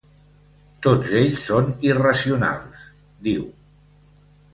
Tots ells són irracionals, diu.